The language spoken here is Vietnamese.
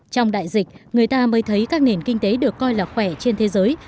trong đại dịch người ta mới thấy các nền kinh tế được coi là khỏe trên thế giới